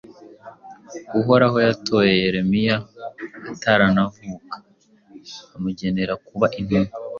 Uhoraho yatoye Yeremiya ataranavuka, amugenera kuba intumwa